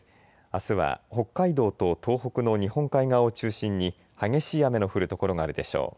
あすは北海道と東北の日本海側を中心に激しい雨の降る所があるでしょう。